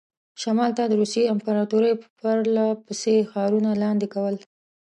شمال ته د روسیې امپراطوري پرله پسې ښارونه لاندې کول.